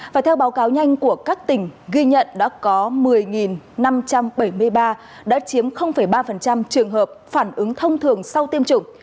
và theo báo cáo nhanh của các tỉnh ghi nhận đã có một mươi năm trăm bảy mươi ba đã chiếm ba trường hợp phản ứng thông thường sau tiêm chủng